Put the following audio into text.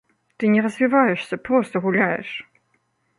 Ты не развіваешся, проста гуляеш.